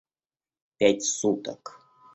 — Пять суток.